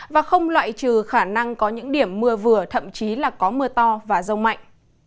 và không loại trừ khả năng có những điểm mưa vừa thậm chí là có mưa to và rông mạnh